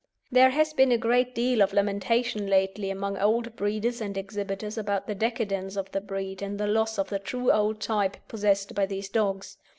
There has been a great deal of lamentation lately among old breeders and exhibitors about the decadence of the breed and the loss of the true old type possessed by these dogs.